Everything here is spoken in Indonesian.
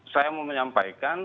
saya mau menyampaikan